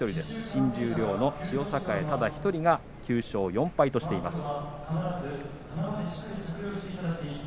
新十両の千代栄、ただ１人が９勝４敗としています。